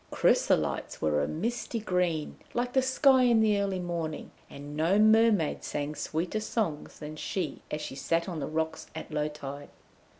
Chrysolite's were a misty green, like the sky in the early morning, and no mermaid sang sweeter songs than she as she sat on the rocks at low tide.